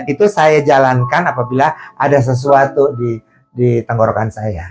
itu saya jalankan apabila ada sesuatu di tenggorokan saya